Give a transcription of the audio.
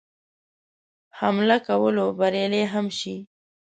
حمله کولو بریالی هم شي.